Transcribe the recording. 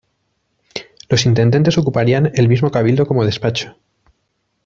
Los intendentes ocuparían el mismo cabildo como despacho.